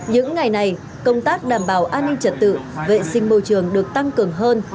những ngày này công tác đảm bảo an ninh trật tự vệ sinh môi trường được tăng cường hơn